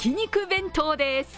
弁当です。